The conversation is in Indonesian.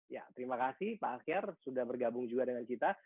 ya terima kasih pak akhir sudah bergabung juga dengan kita